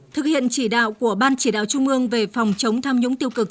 thực hiện chỉ đạo của ban chỉ đạo trung ương về phòng chống tham nhũng tiêu cực